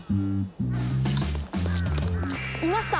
いました！